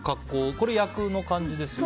これは役の感じですよね。